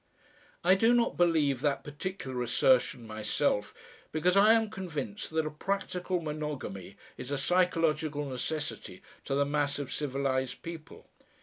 I do not believe that particular assertion myself, because I am convinced that a practical monogamy is a psychological necessity to the mass of civilised people.